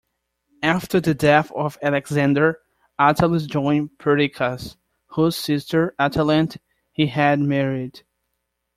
After the death of Alexander, Attalus joined Perdiccas, whose sister, Atalante, he had married.